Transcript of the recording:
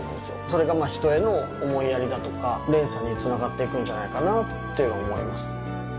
それが人への思いやりだとか連鎖に繋がっていくんじゃないかなって思いますね。